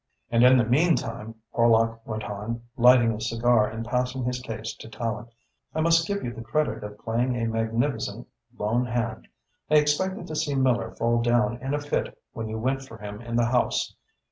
"And in the meantime," Horlock went on, lighting a cigar and passing his case to Tallente, "I must give you the credit of playing a magnificent lone hand. I expected to see Miller fall down in a fit when you went for him in the House.